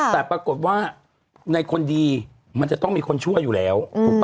แต่ปรากฏว่าในคนดีมันจะต้องมีคนชั่วอยู่แล้ว